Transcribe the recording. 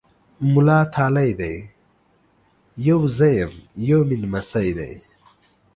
مولا تالی دی! يو زه یم، یو مې نمسی دی۔